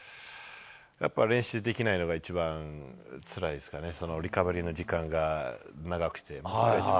やっぱり、練習できないのが一番つらいですかね、リカバリーの時間が長くて。